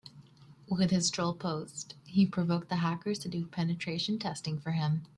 With his troll post he provoked the hackers to do penetration testing for him.